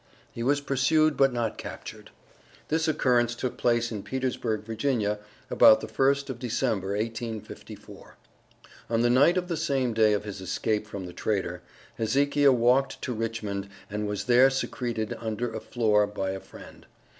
He was pursued but not captured. This occurrence took place in Petersburg, Va., about the first of December, 1854. On the night of the same day of his escape from the trader, Hezekiah walked to Richmond and was there secreted under a floor by a friend.